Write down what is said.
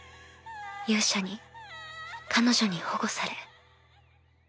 勇者に彼女に保護され。